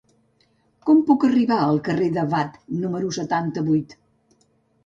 Com puc arribar al carrer de Watt número setanta-vuit?